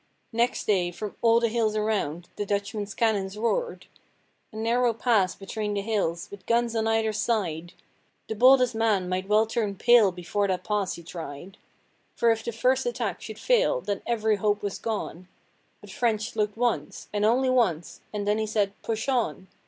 Next day from all the hills around the Dutchman's cannons roared. A narrow pass between the hills, with guns on either side; The boldest man might well turn pale before that pass he tried, For if the first attack should fail then every hope was gone: But French looked once, and only once, and then he said, 'Push on!'